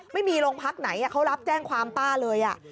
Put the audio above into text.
ไม่มีโรงพักไหนเขารับแจ้งความป้าเลย